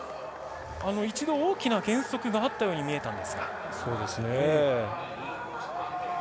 一度、大きな減速があったように見えたんですが。